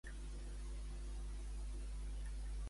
Et faria res fer-me saber que he d'anar a la Vall d'Hebron?